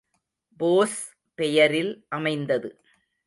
போஸ் பெயரில் அமைந்தது.